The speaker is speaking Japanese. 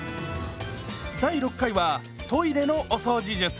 第６回はトイレのお掃除術。